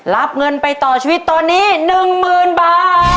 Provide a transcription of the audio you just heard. รับเงินไปต่อชีวิตตอนนี้หนึ่งหมื่นบาท